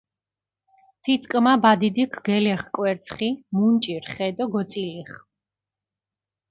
თიწკჷმა ბადიდიქ გელეღჷ კვერცხი, მუნჭირჷ ხე დო გოწილიხჷ.